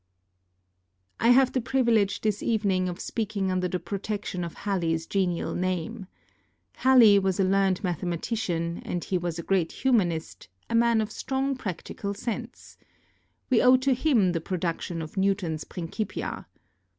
I have the privilege this evening of speaking under the protection of Halley's genial name. Halley was a learned mathematician and he was a great humanist, a man of strong practical sense. We owe to him the production of Newton's Principia.